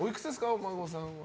お孫さんは。